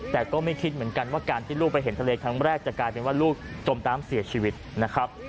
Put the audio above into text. แต่ก็ไม่คิดเหมือนกันว่าการที่ลูกไปเห็นทะเลครั้งแรกจะกลายเป็นว่าลูกจมน้ำเสียชีวิตนะครับ